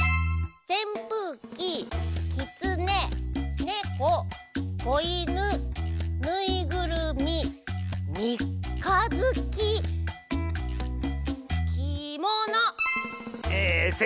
「せんぷうき」「きつね」「ねこ」「こいぬ」「ぬいぐるみ」「みかづき」「きもの」！